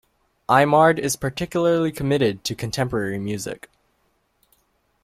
Aimard is particularly committed to contemporary music.